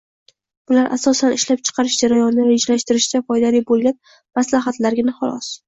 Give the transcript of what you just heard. Bular, asosan, ishlab chiqarish jarayonini rejalashtirishda foydali bo‘lgan maslahatlargina, xolos.